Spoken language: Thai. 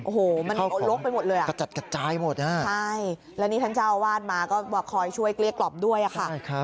โอ้โฮมันโลกไปหมดเลยอ่ะใช่แล้วนี่ท่านเจ้าเอาวาดมาก็บอกคอยช่วยเกลี้ยกล่อมด้วยอ่ะค่ะ